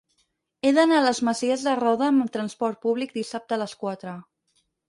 He d'anar a les Masies de Roda amb trasport públic dissabte a les quatre.